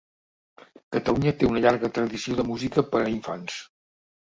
Catalunya té una llarga tradició de música per a infants.